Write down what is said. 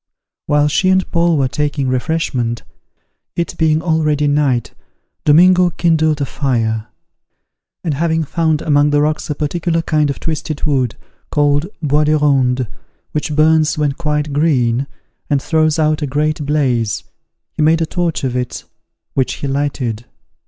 While she and Paul were taking refreshment, it being already night, Domingo kindled a fire: and having found among the rocks a particular kind of twisted wood, called bois de ronde, which burns when quite green, and throws out a great blaze, he made a torch of it, which he lighted.